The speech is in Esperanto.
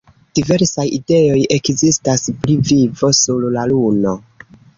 Diversaj ideoj ekzistas pri vivo sur la Luno.